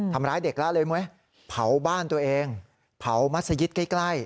ทำร้ายเด็กละเลยไหมเผาบ้านตัวเองเผามัศยิตใกล้